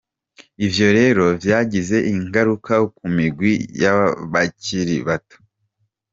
Ivyo rero vyagize ingaruka ku migwi y'abakiri bato.